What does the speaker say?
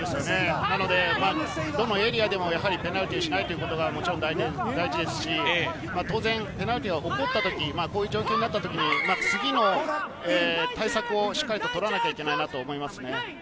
なのでどのエリアでもペナルティーをしないということがもちろん大事ですし、当然、ペナルティーが起こった時、こういう状況になった時、次の対策をしっかり取らなきゃいけないなと思いますね。